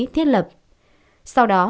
thiết lập sau đó